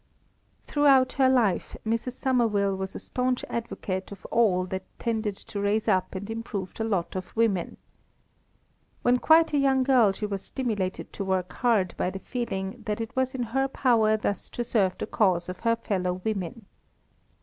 Throughout her life Mrs. Somerville was a staunch advocate of all that tended to raise up and improve the lot of women. When quite a young girl she was stimulated to work hard by the feeling that it was in her power thus to serve the cause of her fellow women.